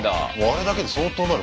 あれだけで相当になる。